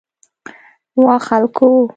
وا خلکو!